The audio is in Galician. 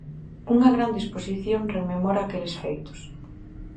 Unha grande exposición rememora aqueles feitos.